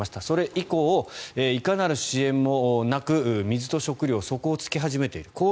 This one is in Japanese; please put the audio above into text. それ以降、いかなる支援もなく水と食料が底を突き始めている。